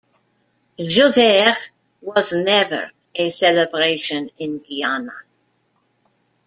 Jouvert was never a celebration in Guyana.